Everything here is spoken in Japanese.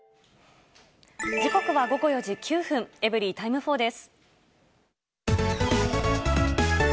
時刻は午後４時９分、エブリィタイム４です。